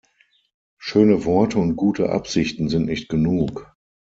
Schöne Worte und gute Absichten sind nicht genug.